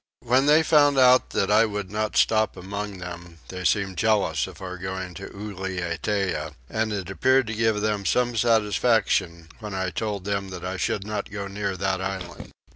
When they found that I would not stop among them they seemed jealous of our going to Ulietea, and it appeared to give them some satisfaction when I told them that I should not go near that island.